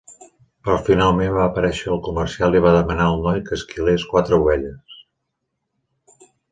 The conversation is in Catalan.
Però finalment va aparèixer el comerciant i va demanar al noi que esquilés quatre ovelles.